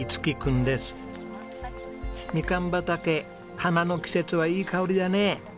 みかん畑花の季節はいい香りだね。